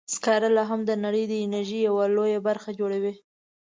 سکاره لا هم د نړۍ د انرژۍ یوه لویه برخه جوړوي.